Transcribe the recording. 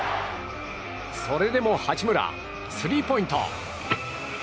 それでも八村、スリーポイント。